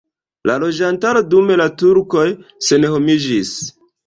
La loĝantaro dum la turkoj senhomiĝis.